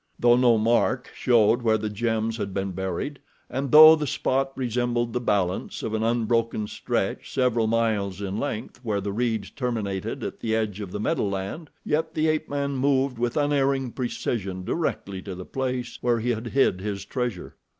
Though no mark showed where the gems had been buried, and though the spot resembled the balance of an unbroken stretch several miles in length, where the reeds terminated at the edge of the meadowland, yet the ape man moved with unerring precision directly to the place where he had hid his treasure.